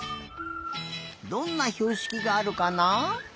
どんなひょうしきがあるかな？